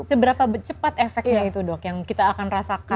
seberapa cepat efeknya itu dok yang kita akan rasakan